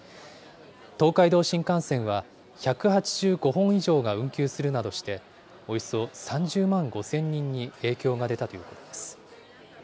東海道新幹線は１８５本以上が運休するなどして、およそ３０万５０００人に影響が出たということです。